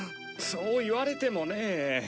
そう言われてもね。